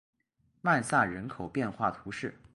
曼萨人口变化图示